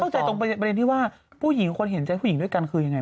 ใจตรงประเด็นที่ว่าผู้หญิงคนเห็นใจผู้หญิงด้วยกันคือยังไง